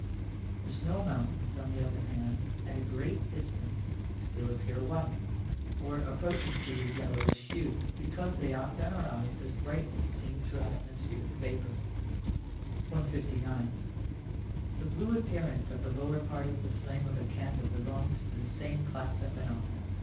The snow mountains, on the other hand, at a great distance, still appear white, or approaching to a yellowish hue, because they act on our eyes as brightness seen through atmospheric vapour. 159. The blue appearance at the lower part of the flame of a candle belongs to the same class of phenomena.